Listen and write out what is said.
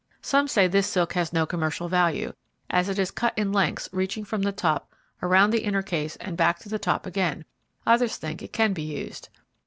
Some say this silk has no commercial value, as it is cut in lengths reaching from the top around the inner case and back to the top again; others think it can be used.